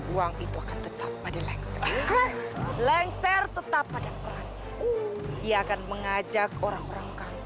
yo kak casa asyik deh